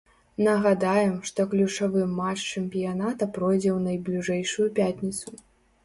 Нагадаем, што ключавы матч чэмпіяната пройдзе ў найбліжэйшую пятніцу.